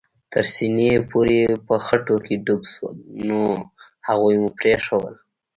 تر سېنې پورې په خټو کې ډوب شول، نو هغوی مو پرېښوول.